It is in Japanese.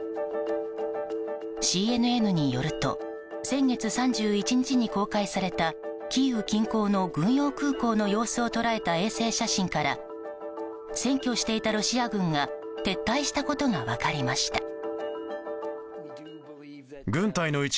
ＣＮＮによると先月３１日に公開されたキーウ近郊の軍用空港の様子を捉えた衛星写真から占拠していたロシア軍が撤退したことが分かりました。